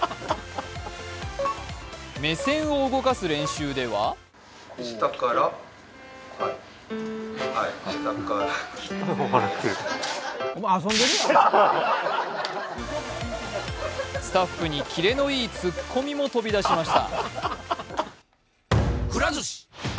目線を動かす練習ではスタッフにキレのいいツッコミも飛び出しました。